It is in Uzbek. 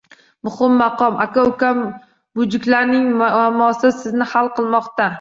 Muhim - maqom! Aka -uka mujiklarning "muammosi" sizni hal qilmoqda!